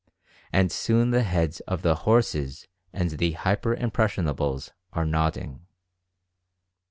and soon the heads of the "horses" and the "hyper impressionables" are nodding.